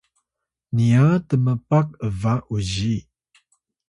niya tmpak ’ba uzi